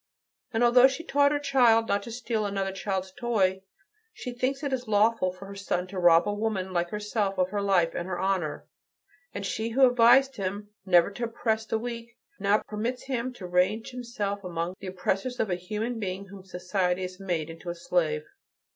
And, although she taught her child not to steal another child's toy, she thinks it lawful for her son to rob a woman like herself of her life and her honor. And she who advised him never to oppress the weak, now permits him to range himself among the oppressors of a human being whom society has made into a slave."